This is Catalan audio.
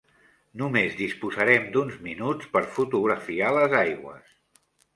Només disposarem d'uns minuts per fotografiar les aigües.